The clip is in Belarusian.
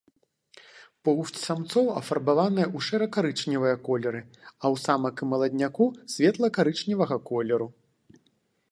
Поўсць самцоў афарбаваная ў шэра-карычневыя колеры, а ў самак і маладняку светла-карычневага колеру.